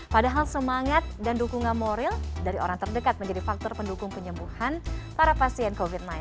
padahal semangat dan dukungan moral dari orang terdekat menjadi faktor pendukung penyembuhan para pasien covid sembilan belas